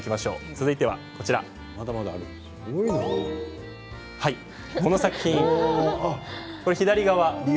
続いては、この作品、左側。